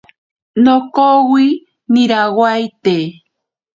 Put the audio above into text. Nokowi nirawaite.